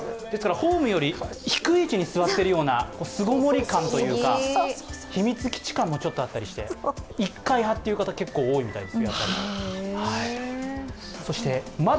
ホームより低い位置に座っている巣ごもり感というか秘密基地感もちょっとあったりして１階派という方、結構多いようです